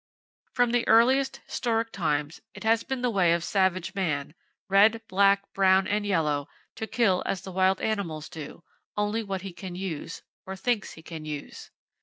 From the earliest historic times, it has been the way of savage man, red, black, brown and yellow, to kill as the wild animals do,—only what he can use, or thinks he can use.